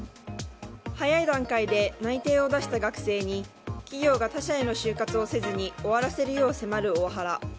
早い段階で内定を出した学生に企業が他社への就活をせずに終わらせるよう迫るオワハラ。